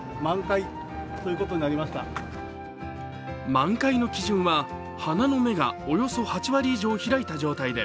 満開の基準は花の芽がおよそ８割以上開いた状態で